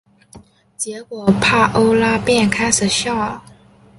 结果帕欧拉便开始笑。